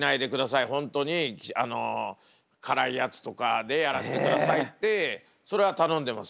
本当に辛いやつとかでやらせてくださいってそれは頼んでます。